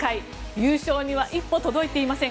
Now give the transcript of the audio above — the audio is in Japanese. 優勝には一歩届いていません。